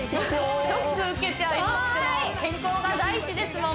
ショック受けちゃいますよ